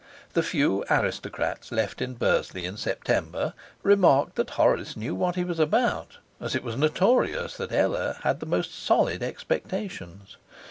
The few aristocrats left in Bursley in September remarked that Horace knew what he was about, as it was notorious that Ella had the most solid expectations.